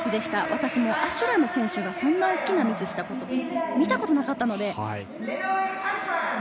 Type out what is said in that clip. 私もアシュラム選手がそんな大きなミスをしたことは見たことなかったです。